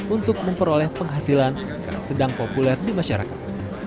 untuk memperoleh penghasilan yang sedang populer di masyarakat